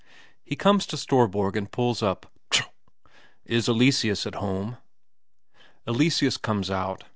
He comes to Storborg and pulls up. "Ptro! Is Eleseus at home?" Eleseus comes out.